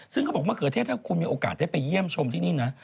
ซึ่งเขาบอกมะเขือเทศถ้าคุณมีโอกาสได้ไปเยี่ยมชมที่นี่นะ